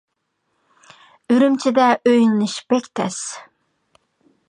ئۈرۈمچىدە ئۆيلىنىش بەك تەس.